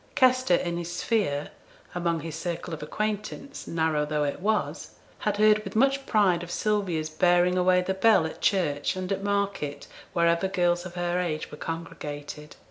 Kester in his sphere among his circle of acquaintance, narrow though it was had heard with much pride of Sylvia's bearing away the bell at church and at market, wherever girls of her age were congregated.